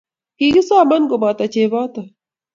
Kikisoman koboto cheboto